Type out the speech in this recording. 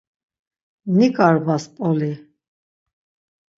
Niǩarbas Mp̌oli.